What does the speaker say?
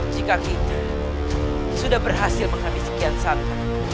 jika kita sudah berhasil menghabis sekian santan